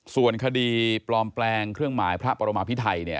ส่วนคดีปลอมแปลงเครื่องหมายพระปรมาพิไทยเนี่ย